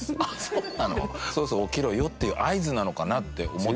そろそろ起きろよっていう合図なのかなって思ってた。